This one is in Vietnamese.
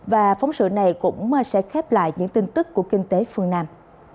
và phóng sự này cũng sẽ khép lại những tin tức của kinh tế phương nam